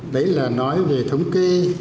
đấy là nói về thống kê